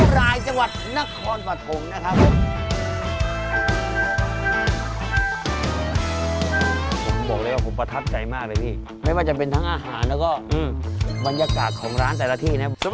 อร่อยเชียบ